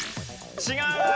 違う。